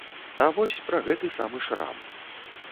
А вось пра гэты самы шрам.